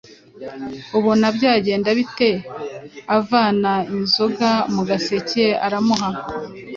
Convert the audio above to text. ubona byagenda bite ?» Avana inzoga mu gaseke aramuha,